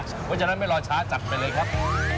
เพราะฉะนั้นไม่รอช้าจัดไปเลยครับ